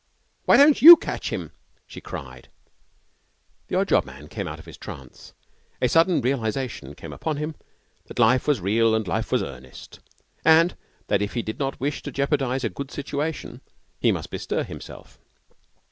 'Why don't you catch him?' she cried. The odd job man came out of his trance. A sudden realization came upon him that life was real and life was earnest, and that if he did not wish to jeopardize a good situation he must bestir himself.